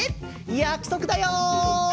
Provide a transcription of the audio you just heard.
約束だよ！